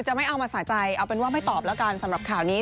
ไม่เอามาใส่ใจเอาเป็นว่าไม่ตอบแล้วกันสำหรับข่าวนี้